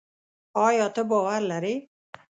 ایا ته باور لري؟